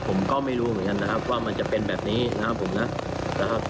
ผมก็ไม่รู้เหมือนกันนะครับว่ามันจะเป็นแบบนี้นะครับผมนะครับ